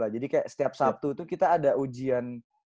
jadi setiap sabtu tuh kita ada ujian